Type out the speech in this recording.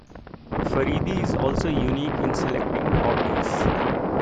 Faridi is also unique in selecting hobbies.